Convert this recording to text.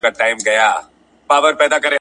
عدالت ټولنه یو موټی او پیاوړې کوي.